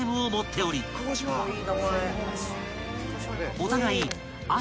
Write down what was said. ［お互い］